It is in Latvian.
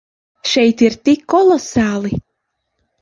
Šeit ir tik kolosāli.